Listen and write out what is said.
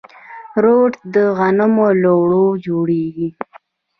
روټ د غنمو له اوړو جوړیږي.